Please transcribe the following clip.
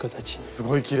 すごいきれい。